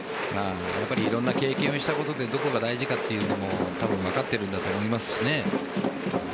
いろんな経験をしたことでどこが大事かというのも多分分かっているんだと思いますし。